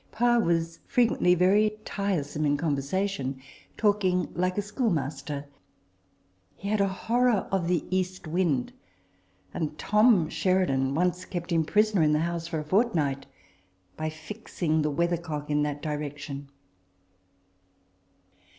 Parr was frequently very tiresome in conversa tion, talking like a schoolmaster. He had a horror of the east wind ; and Tom Sheridan once kept him prisoner in the house for a fortnight by fixing the weathercock in that direction.